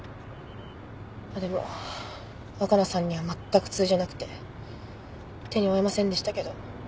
でも若菜さんにはまったく通じなくて手に負えませんでしたけど。